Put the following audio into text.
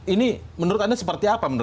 ini menurut anda seperti apa